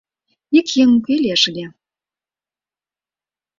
— Ик еҥ уке лиеш ыле.